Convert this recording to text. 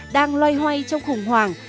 đang loay hoay trong khủng hoảng